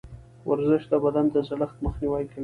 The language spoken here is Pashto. ورزش د بدن د زړښت مخنیوی کوي.